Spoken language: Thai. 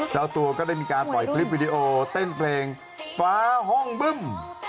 เจ้าตัวก็ได้มีการปล่อยคลิปวิดีโอเต้นเพลงฟ้าห้องบึ้ม